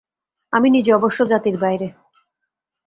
আমি নিজে অবশ্য জাতির বাইরে।